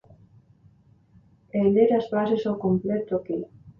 E ler as bases ao completo aquí.